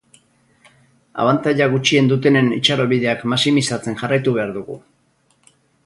Abantaila gutxien dutenen itxarobideak maximizatzen jarraitu behar dugu.